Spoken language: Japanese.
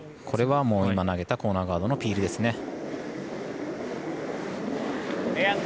これはもう今投げたコーナーガードのピールですね。